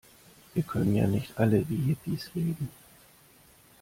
Wir können ja nicht alle wie Hippies leben.